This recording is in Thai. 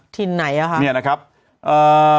ถิ่นไหนอะครับอย่างนี้นะครับเอ่อ